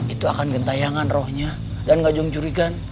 itu akan gentayangan rohnya dan ngajung curikan